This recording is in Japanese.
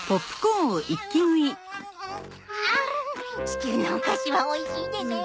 地球のお菓子はおいしいですね。